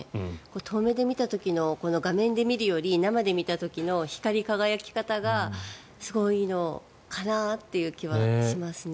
遠目で見た時の、画面で見るより生で見た時の光輝き方がすごいのかなっていう気はしますね。